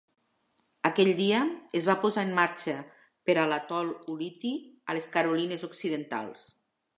Aquell dia, es va posar en marxa per a l'atol Ulithi a les Carolines occidentals.